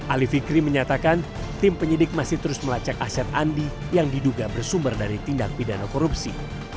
ali fikri menyatakan tim penyidik masih terus melacak aset andi yang diduga bersumber dari tindak pidana korupsi